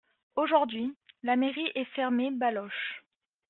Aujourd’hui, la mairie est fermée Baloche .